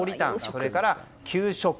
それから給食。